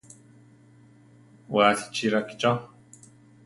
Wasi chi rakícho.